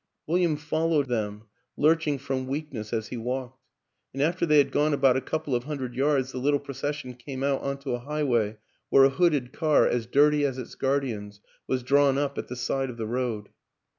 William followed them, lurching from weakness as he walked; and after they had gone about a couple of hundred yards the little procession came out on to a highway where a hooded car, as dirty as its guardians, was drawn up at the side of the road.